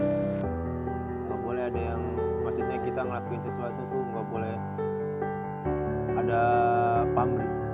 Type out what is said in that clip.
tidak boleh ada yang maksudnya kita ngelakuin sesuatu tuh nggak boleh ada pamri